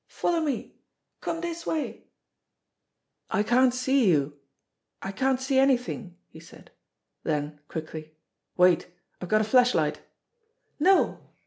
"Follow me; come this way." "I can't see you I can't see anything," he said; then quickly: "Wait! I've got a flashlight." "No!"